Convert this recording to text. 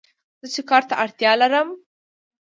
زه چې کار ته اړتیا لرم